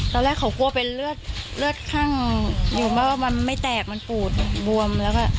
ตอนแรกเขากลัวเป็นเลือดข้างอยู่มาว่ามันไม่แตกมันปูดบวม